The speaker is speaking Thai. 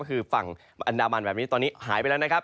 ก็คือฝั่งอันดามันแบบนี้ตอนนี้หายไปแล้วนะครับ